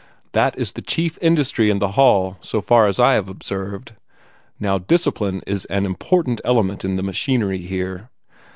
That is the chief industry in the hall, so far as I have observed. Now discipline is an important element in the machinery here.